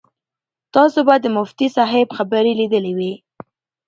تاسو به د مفتي صاحب خبرې لیدلې وي.